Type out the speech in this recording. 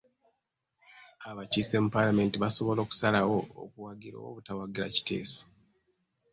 Abakiise mu paalamenti basobola okusalawo okuwagira oba obutawagira kiteeso.